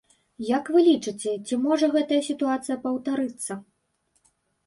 Як вы лічыце, ці можа гэтая сітуацыя паўтарыцца?